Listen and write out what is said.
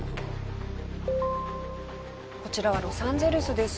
こちらはロサンゼルスです。